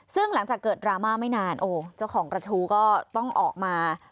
ซึ่งหลังจากเกิดดราม่าไม่นานโอ้เจ้าของกระทู้ก็ต้องออกมา